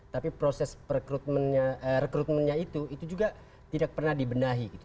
tapi proses rekrutmennya itu juga tidak pernah dibenahi